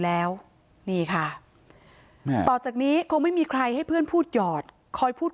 แล้วนี่ค่ะต่อจากนี้คงไม่มีใครให้เพื่อนพูดหยอดคอยพูด